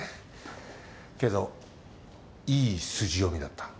けどいい筋読みだった。